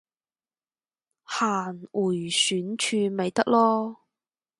行迴旋處咪得囉